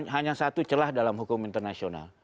hanya satu celah dalam hukum internasional